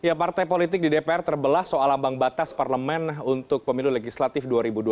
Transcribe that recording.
ya partai politik di dpr terbelah soal ambang batas parlemen untuk pemilu legislatif dua ribu dua puluh